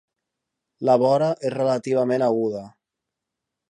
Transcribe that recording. La vora és relativament aguda.